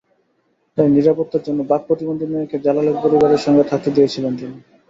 তাই নিরাপত্তার জন্য বাক্প্রতিবন্ধী মেয়েকে জালালের পরিবারের সঙ্গে থাকতে দিয়েছিলেন তিনি।